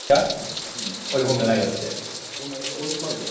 She was condemned at Tortola on her way home.